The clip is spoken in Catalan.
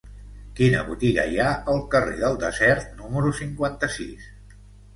Quina botiga hi ha al carrer del Desert número cinquanta-sis?